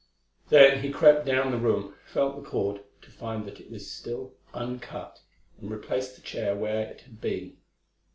Then he crept down the room, felt the cord, to find that it was still uncut, and replaced the chair where it had been.